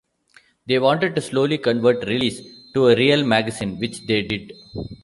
They wanted to slowly convert "Release" to a real magazine, which they did.